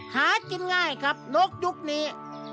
หากินง่ายครับนกยุคนี้